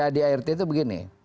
adart harus munas loh